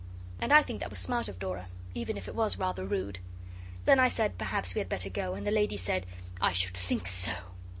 And I think that was smart of Dora, even if it was rather rude. Then I said perhaps we had better go, and the lady said, 'I should think so!